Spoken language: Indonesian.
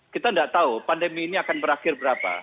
kita tidak tahu pandemi ini akan berakhir berapa